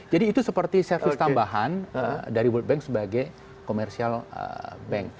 jadi itu seperti servis tambahan dari world bank sebagai komersial bank